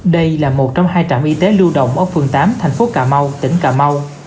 đây là một trong hai trạm y tế lưu đồng ở phường tám thành phố cà mau tỉnh cà mau